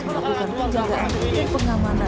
melakukan penjagaan dan pengamanan